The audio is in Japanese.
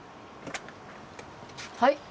はい。